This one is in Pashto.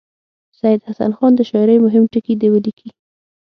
سید حسن خان د شاعرۍ مهم ټکي دې ولیکي.